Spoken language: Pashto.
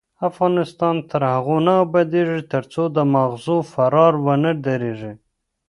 افغانستان تر هغو نه ابادیږي، ترڅو د ماغزو فرار ونه دریږي.